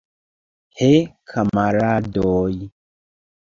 He, kamaradoj!